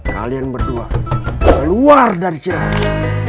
kalian berdua keluar dari cerah